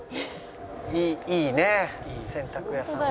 いいねいい洗濯屋さんが。